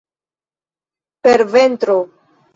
Per ventro!